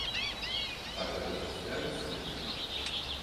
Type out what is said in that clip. Arkadaş ister misin?